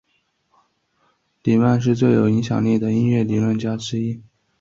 里曼是最有影响力的音乐理论家之一。